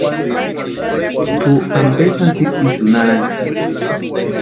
Tʼu ampe sáni tsitisïni arhani.